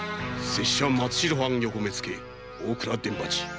拙者松代藩横目付・大蔵伝八。